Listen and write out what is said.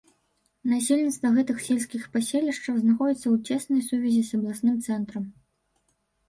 Насельніцтва гэтых сельскіх паселішчаў знаходзіцца ў цеснай сувязі з абласным цэнтрам.